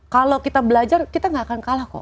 kalau kita belajar kita gak akan kalah kok